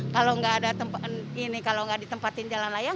kalau gak ada tempat ini kalau gak ditempatin jalan layak